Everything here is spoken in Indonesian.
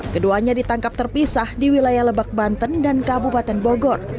keduanya ditangkap terpisah di wilayah lebak banten dan kabupaten bogor